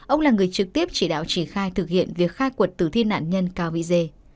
ông là người trực tiếp chỉ đạo chỉ khai thực hiện việc khai cuộc tử thi nạn nhân cao bị dê